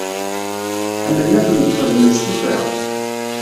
Ḥemmlen ad tent-xedmen s tufra.